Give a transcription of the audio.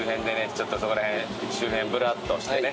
ちょっとそこら辺周辺ぶらっとしてね